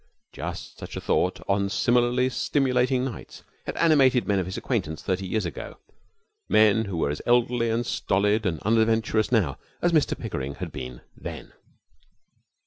Just such a thought on similarly stimulating nights had animated men of his acquaintance thirty years ago, men who were as elderly and stolid and unadventurous now as Mr Pickering had been then.